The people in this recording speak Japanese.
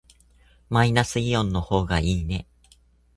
マイナスイオンの方がいいね。